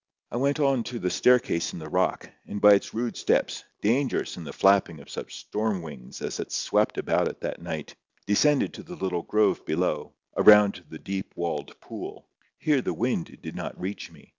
I went on to the staircase in the rock, and by its rude steps, dangerous in the flapping of such storm wings as swept about it that night, descended to the little grove below, around the deep walled pool. Here the wind did not reach me.